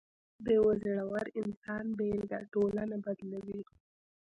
د یو زړور انسان بېلګه ټولنه بدلوي.